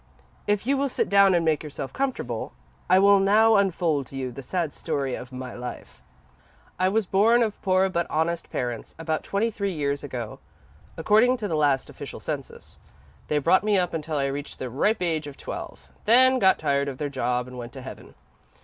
"If you will sit down, and make yourself comfortable, I will now unfold to you the sad story of my life. "I was born of poor but honest parents about twenty three years ago, according to the last official census. They brought me up until I reached the ripe age of twelve, then got tired of their job and went to heaven.